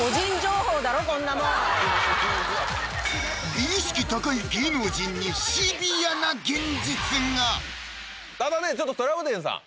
美意識高い芸能人にただねちょっとトラウデンさん